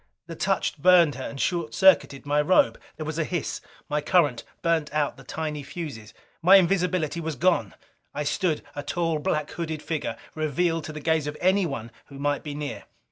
The touch burned her, and short circuited my robe. There was a hiss. My current burned out the tiny fuses. My invisibility was gone! I stood, a tall, blackhooded figure, revealed to the gaze of anyone who might be near!